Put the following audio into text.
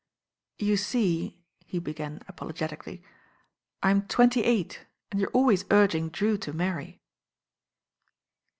^ "You see," he began apologetically, "I'm twenty eight and you are always urging Drew to marry."